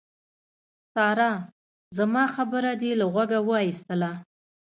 سارا! زما خبره دې له غوږه واېستله.